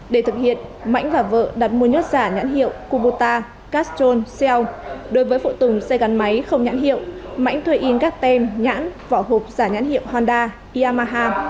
để thực hiện mãnh và vợ đặt mua nhốt giả nhãn hiệu kubota castron shell đối với phụ tùm xe gắn máy không nhãn hiệu mãnh thuê in các tem nhãn vỏ hộp giả nhãn hiệu honda yamaha